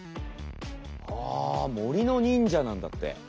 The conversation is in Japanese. あ森の忍者なんだって。